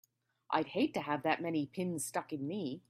I'd hate to have that many pins stuck in me!